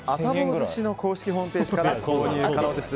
鮨の公式ホームページから購入可能です。